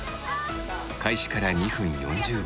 開始から２分４０秒。